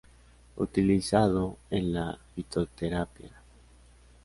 Utilizado en la fitoterapia.